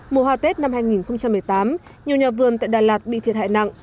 mùa hoa tết năm hai nghìn một mươi tám nhiều nhà vườn tại đà lạt bị thiệt hại nặng